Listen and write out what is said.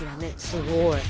すごい。